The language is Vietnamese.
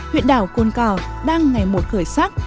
huyện đảo côn cò đang ngày một khởi sắc